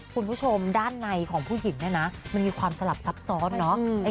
คุณผู้ชมด้านในของผู้หญิงเนี่ยนะมันมีความสลับซับซ้อนเนาะ